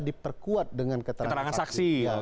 diperkuat dengan keterangan saksi